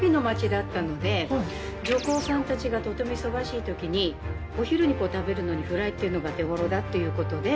女工さんたちがとても忙しい時にお昼に食べるのにフライっていうのが手ごろだっていう事で。